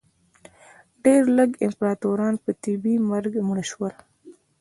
ډېر لږ امپراتوران په طبیعي مرګ مړه شول